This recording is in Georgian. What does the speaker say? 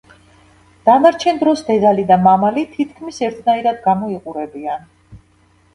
დანარჩენ დროს დედალი და მამალ თითქმის ერთნაირად გამოიყურებიან.